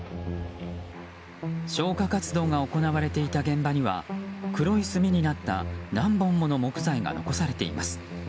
消火活動が行われていた現場には黒い炭になった何本もの木材が残されています。